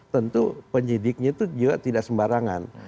tentu penyidiknya itu juga tidak sembarangan